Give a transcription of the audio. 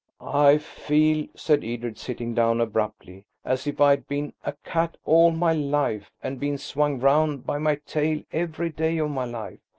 "I feel," said Edred, sitting down abruptly, "as if I'd been a cat all my life, and been swung round by my tail every day of my life.